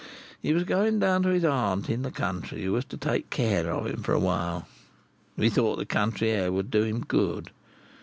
He was going down to his aunt in the country, who was to take care of him for a while. We thought the country air would do him good.